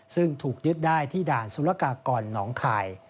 ซึ่งถูกยึดได้ที่ด่านสุรกากรหนองคาย